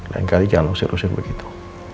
lain kali jangan usir usir begitu